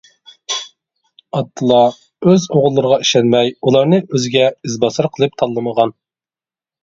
ئاتتىلا ئۆز ئوغۇللىرىغا ئىشەنمەي، ئۇلارنى ئۆزىگە ئىزباسار قىلىپ تاللىمىغان.